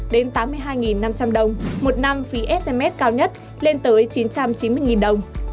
một năm phí sms cao nhất lên tới chín trăm chín mươi đồng